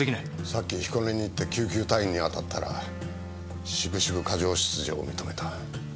さっき彦根に行って救急隊員にあたったら渋々過剰出場を認めた。